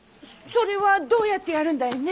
それはどうやってやるんだいね？